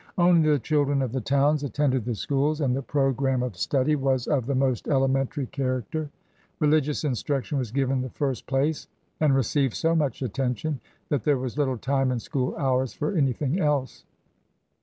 Only the children of the towns attended the schools, and the program of study THE CHURCH IN NEW FRANCE 181 was of the most elementary character. Religious instruction was given the first place and received so much attention that there was little time in school hours for anything else.